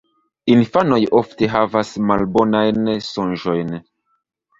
Infanoj ofte havas malbonajn sonĝojn.